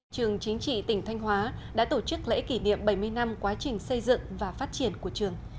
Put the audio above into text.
trường chính trị tỉnh thanh hóa đã tổ chức lễ kỷ niệm bảy mươi năm quá trình xây dựng và phát triển của trường